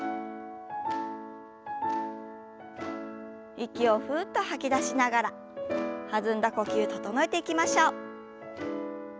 息をふっと吐き出しながら弾んだ呼吸整えていきましょう。